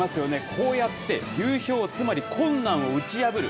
こうやって流氷つまり困難を打ち破り